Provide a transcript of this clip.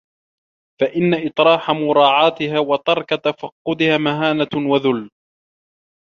فَإِنَّ اطِّرَاحَ مُرَاعَاتِهَا وَتَرْكَ تَفَقُّدِهَا مَهَانَةٌ وَذُلٌّ